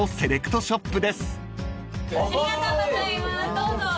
どうぞ。